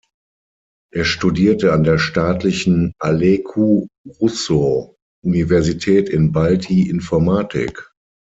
Er studierte an der Staatlichen Alecu-Russo-Universität in Bălți Informatik.